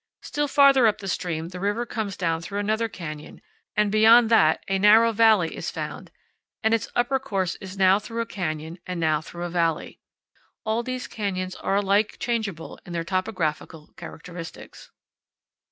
Still farther up the stream the river comes down through another canyon, and beyond that a narrow valley is found, and its upper course is now through a canyon and now through a valley. All these canyons are alike changeable in their topographic characteristics.